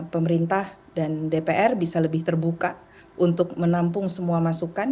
pemerintah dan dpr bisa lebih terbuka untuk menampung semua masukan